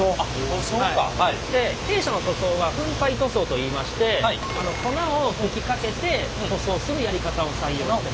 で弊社の塗装は粉体塗装といいまして粉を吹きかけて塗装するやり方を採用してます。